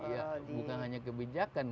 bukan hanya kebijakan